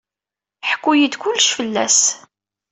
Ḥku-iyi-d kullec fell-as.